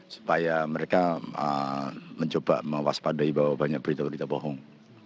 supaya mereka mencoba mewaspadai bahwa banyak berita berita bohong